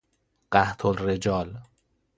قحط الرجال